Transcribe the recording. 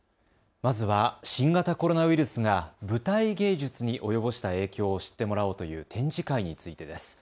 まずは新型コロナウイルスが舞台芸術に及ぼした影響を知ってもらおうという展示会についてです。